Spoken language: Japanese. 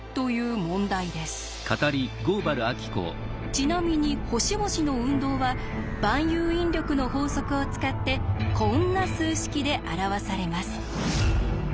ちなみに星々の運動は万有引力の法則を使ってこんな数式で表されます。